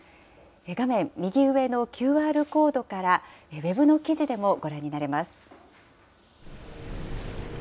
画面右上のＱＲコードからウェブの記事でもご覧になれます。